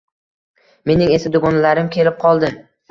Mening esa dugonalarim kelib qoldi.